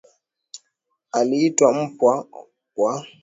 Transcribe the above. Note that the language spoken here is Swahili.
aliitwa mpwa wa Caligula alifanya maisha ya Claudius kuwa hai